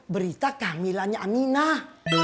berita kehamilannya aminah